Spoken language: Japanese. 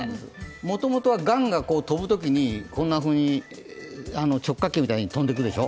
もともとは雁が飛ぶときに、こんなふうに直滑降みたいに飛んでいくでしょう。